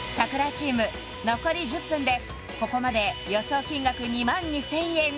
チーム残り１０分でここまで予想金額２万２０００円